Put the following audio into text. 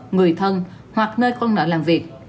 người thân hoặc nơi con nợ làm việc